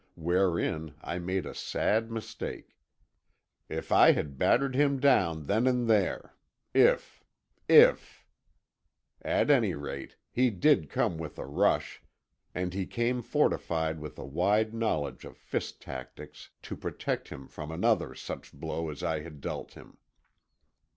Wherein I made a sad mistake. If I had battered him down then and there—if—if! At any rate, he did come with a rush, and he came fortified with a wide knowledge of fist tactics to protect him from another such blow as I had dealt him.